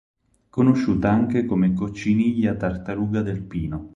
Conosciuta anche come "Cocciniglia tartaruga del Pino".